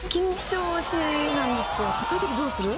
そういう時どうする？